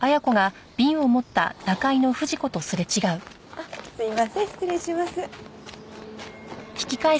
あっすいません失礼します。